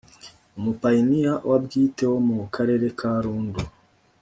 umupayiniya wa bwite wo mu karere ka rundu